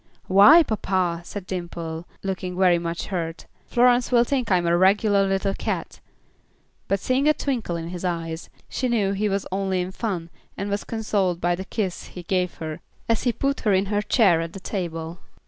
"Why, papa," said Dimple, looking very much hurt. "Florence will think I am a regular little cat," but seeing a twinkle in his eyes, she knew he was only in fun, and was consoled by the kiss he gave her as he put her in her chair at the table.